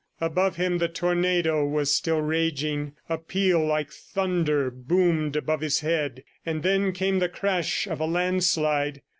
Above him the tornado was still raging. A peal like thunder boomed above his head, and then came the crash of a landslide.